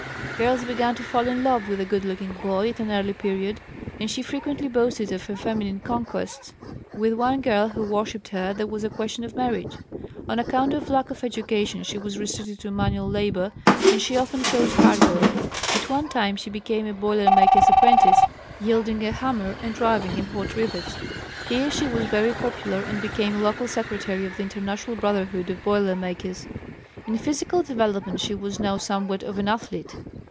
Girls began to fall in love with the good looking boy at an early period, and she frequently boasted of her feminine conquests; with one girl who worshipped her there was a question of marriage. On account of lack of education she was restricted to manual labor, and she often chose hard work. At one time she became a boiler maker's apprentice, wielding a hammer and driving in hot rivets. Here she was very popular and became local secretary of the International Brotherhood of Boiler makers. In physical development she was now somewhat of an athlete.